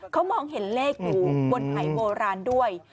เขามองเห็นเลขอยู่บนหายโบราณด้วย